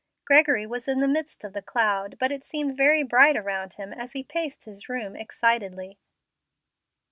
Gregory was in the midst of the cloud, but it seemed very bright around him as he paced his room excitedly.